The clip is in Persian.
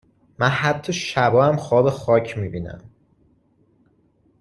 من حتا شبها هم خواب خاک میبینم